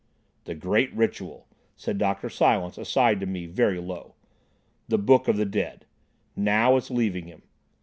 "The great Ritual," said Dr. Silence aside to me, very low, "the Book of the Dead. Now it's leaving him.